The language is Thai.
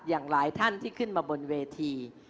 อย่างหลายท่านที่ขึ้นมาบนเวที